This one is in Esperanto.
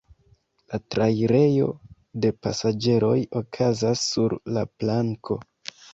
La trairejo de pasaĝeroj okazas sur la planko.